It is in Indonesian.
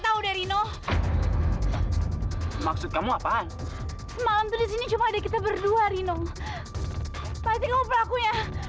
tahu dari no maksud kamu apaan malam disini cuma ada kita berdua rino pasti kamu perakunya